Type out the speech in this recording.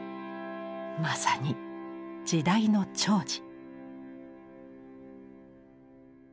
まさに時代の寵児。